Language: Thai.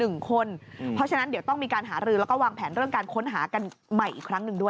เพราะฉะนั้นเดี๋ยวต้องมีการหารือแล้วก็วางแผนเรื่องการค้นหากันใหม่อีกครั้งหนึ่งด้วย